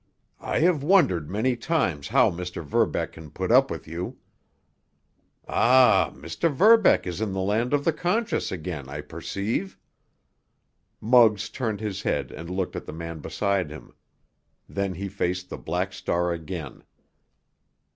I have wondered many times how Mr. Verbeck can put up with you. Ah, Mr. Verbeck is in the land of the conscious again, I perceive!" Muggs turned his head and looked at the man beside him. Then he faced the Black Star again.